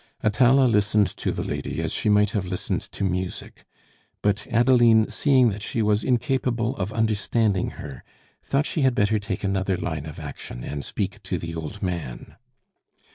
Atala listened to the lady as she might have listened to music; but Adeline, seeing that she was incapable of understanding her, thought she had better take another line of action and speak to the old man.